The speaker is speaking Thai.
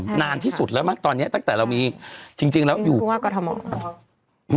นานที่สุดแล้วมั้งตอนเนี้ยตั้งแต่เรามีจริงจริงแล้วอยู่ผู้ว่ากรทม